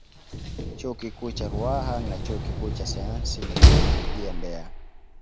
Chuo Kikuu cha Ruaha na Chuo Kikuu cha Sayansi na Teknolojia Mbeya